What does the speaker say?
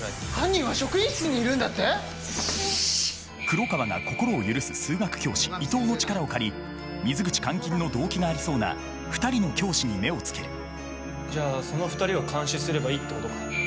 黒川が心を許す数学教師伊藤の力を借り水口監禁の動機がありそうな２人の教師に目をつけるじゃあその２人を監視すればいいってことか。